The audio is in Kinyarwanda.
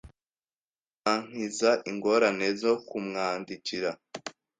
Ibyo bizankiza ingorane zo kumwandikira.